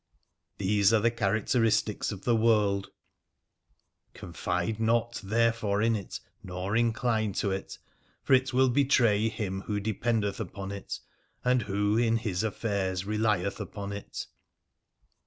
These are the characteristics of the world : confide not therefore in it, nor incline to it ; for it will betray him who dependeth upon it, and who in his affairs relieth upon it.